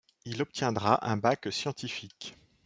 Il obtiendra un bac scientifique.